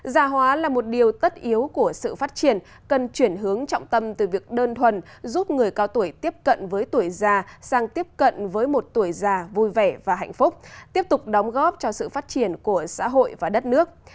già hóa là một điều tất yếu của sự phát triển cần chuyển hướng trọng tâm từ việc đơn thuần giúp người cao tuổi tiếp cận với tuổi già sang tiếp cận với một tuổi già vui vẻ và hạnh phúc tiếp tục đóng góp cho sự phát triển của xã hội và đất nước